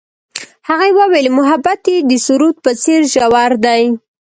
هغې وویل محبت یې د سرود په څېر ژور دی.